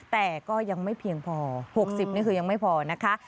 แต่ก็ยังไม่เพียงพอ๖๐นี่คือยังไม่พอนะคะ